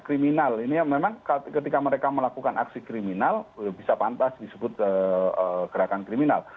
kriminal ini memang ketika mereka melakukan aksi kriminal bisa pantas disebut gerakan kriminal